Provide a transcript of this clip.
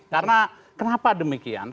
karena kenapa demikian